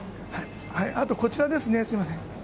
あとこちらですね、すみません。